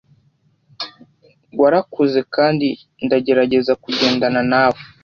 warakuze kandi ndagerageza kugendana nawe